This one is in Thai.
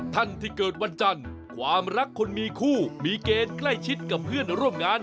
ท่านที่เกิดวันจันทร์ความรักคนมีคู่มีเกณฑ์ใกล้ชิดกับเพื่อนร่วมงาน